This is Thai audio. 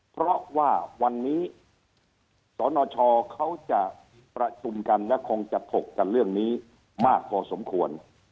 เพราะว่าวันนี้สนชเขาจะประชุมกันและคงจะถกกันเรื่องนี้มากพอสมควร